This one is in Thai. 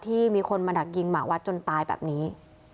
มีคนมาดักยิงหมาวัดจนตายแบบนี้